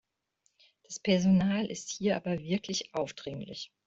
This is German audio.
Das Personal ist hier aber wirklich aufdringlich.